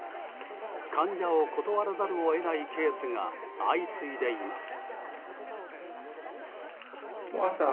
患者を断らざるを得ないケースが相次いでいます。